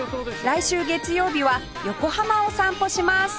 来週月曜日は横浜を散歩します